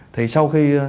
thì sau khi